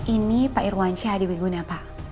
ini pak irwansyah di wiguna pak